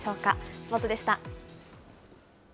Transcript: スポーツでした。